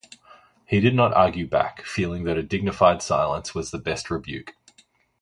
He did not argue back, feeling that a dignified silence was the best rebuke.